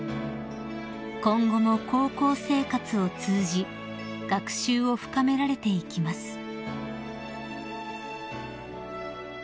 ［今後も高校生活を通じ学習を深められていきます］